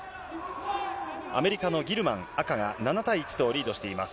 アメリカのギルマン、赤が７対１とリードしています。